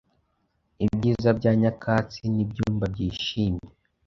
Ibyiza bya nyakatsi-nibyumba byishimye